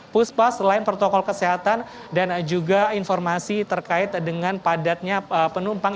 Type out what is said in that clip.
puspa selain protokol kesehatan dan juga informasi terkait dengan padatnya penumpang